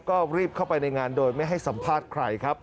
ก็รีบเข้าไปในงานโดยไม่ให้สัมภาษณ์ใครครับ